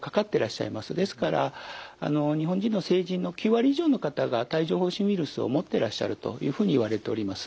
ですから日本人の成人の９割以上の方が帯状ほう疹ウイルスを持ってらっしゃるというふうにいわれております。